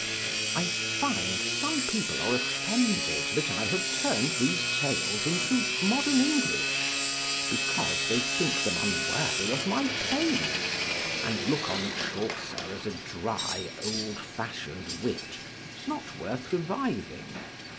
I find some people are offended that I have turn'd these tales into modern English; because they think them unworthy of my pains, and look on Chaucer as a dry, old fashion'd wit, not worth reviving.